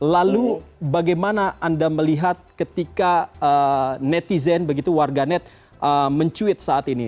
lalu bagaimana anda melihat ketika netizen begitu warganet mencuit saat ini